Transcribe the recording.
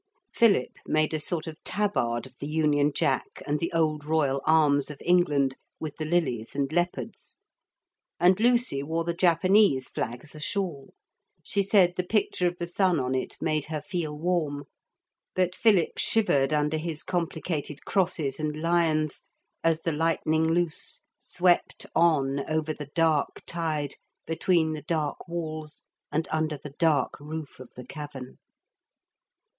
Philip made a sort of tabard of the Union Jack and the old Royal Arms of England, with the lilies and leopards; and Lucy wore the Japanese flag as a shawl. She said the picture of the sun on it made her feel warm. But Philip shivered under his complicated crosses and lions, as the Lightning Loose swept on over the dark tide between the dark walls and under the dark roof of the cavern.